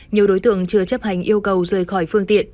nhiều đối tượng chưa chấp hành yêu cầu rời khỏi phương tiện